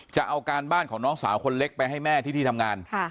จะเอาการบ้านของน้องสาวคนเล็กไปให้แม่ที่ที่ทำงาน